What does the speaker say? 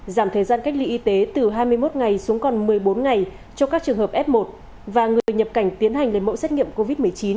giảm thời gian cách ly y tế từ hai mươi một ngày xuống còn một mươi bốn ngày cho các trường hợp f một và người nhập cảnh tiến hành lấy mẫu xét nghiệm covid một mươi chín